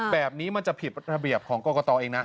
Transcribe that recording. แบบนี้มันจะผิดระเบียบของกรกตเองนะ